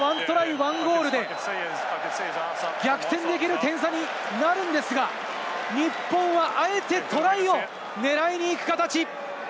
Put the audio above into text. １ゴールで逆転できる点差になるんですが、日本はあえてトライを狙いにいく形！